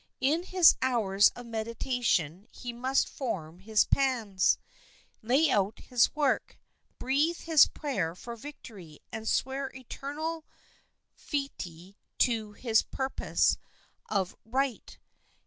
In his hours of meditation he must form his plans, lay out his work, breathe his prayer for victory, and swear eternal fealty to his purpose of right.